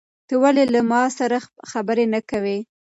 ته ولې له ما سره خبرې نه کوې؟